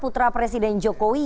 putra presiden jokowi